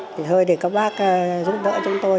thế thôi thì các bác giúp đỡ chúng tôi